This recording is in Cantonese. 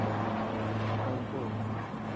他也這樣。